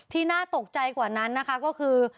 น่าตกใจกว่านั้นนะคะก็คือ